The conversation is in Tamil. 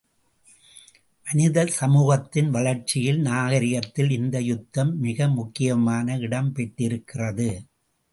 மனித சமூகத்தின் வளர்ச்சியில் நாகரிகத்தில் இந்த யுத்தம் மிகமுக்கியமான இடம் பெற்றிருக்கிறது.